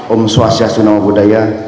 om swasya sunamabudaya